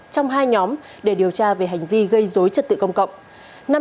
trong hai nhóm để điều tra về hành vi gây dối trật tự công cộng